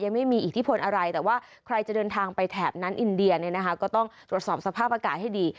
ไม่มีอิทธิพลอะไรแต่ว่าใครจะเดินทางไปแถบนั้นอินเดียเนี่ยนะคะก็ต้องตรวจสอบสภาพอากาศให้ดี